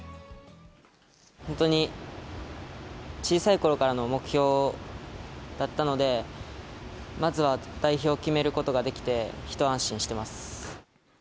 本当に小さいころからの目標だったので、まずは代表を決めることができて、一安心してます。